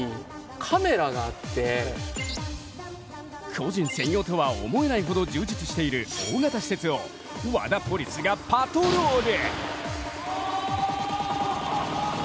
個人専用とは思えないほど充実している大型施設をワダポリスがパトロール。